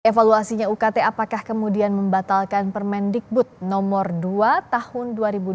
evaluasinya ukt apakah kemudian membatalkan permendikbud nomor dua tahun dua ribu dua puluh